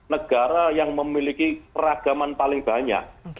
negara yang memiliki keragaman paling banyak